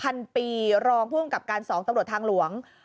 พันปีรองพูดกับการสองตำรวจทางหลวง